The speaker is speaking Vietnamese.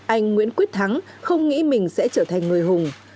anh nguyễn quyết thắng không nghĩ mình sẽ trở thành người hùng